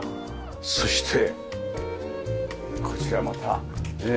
そしてこちらまたねえ。